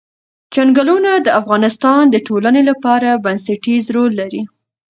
چنګلونه د افغانستان د ټولنې لپاره بنسټيز رول لري.